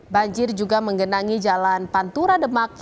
banjir juga menggenangi jalan pantura demak